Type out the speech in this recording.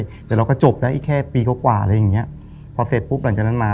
แต่เราก็จบแล้วอีกแค่ปีกว่ากว่าอะไรอย่างเงี้ยพอเสร็จปุ๊บหลังจากนั้นมา